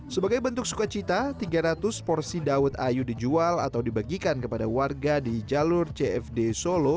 sebagai bentuk sukacita tiga ratus porsi dawet ayu dijual atau dibagikan kepada warga di jalur cfd solo